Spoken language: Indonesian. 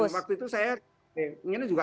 waktu itu saya inginnya juga